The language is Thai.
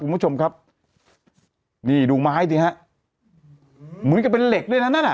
คุณผู้ชมครับนี่ดูไม้สิฮะเหมือนกับเป็นเหล็กด้วยนะนั่นอ่ะ